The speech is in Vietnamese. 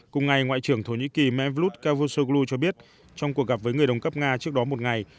cùng ngày ngoại trưởng thổ nhĩ kỳ mevlut cavusoglu cho biết trong cuộc gặp với người đồng cấp nga trước đó một ngày